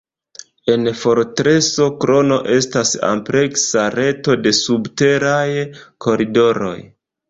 En fortreso Krono estas ampleksa reto de subteraj koridoroj.